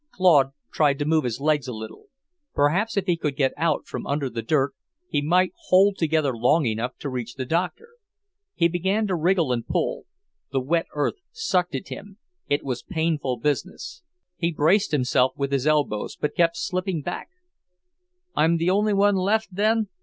Claude tried to move his legs a little. Perhaps, if he could get out from under the dirt, he might hold together long enough to reach the doctor. He began to wriggle and pull. The wet earth sucked at him; it was painful business. He braced himself with his elbows, but kept slipping back. "I'm the only one left, then?"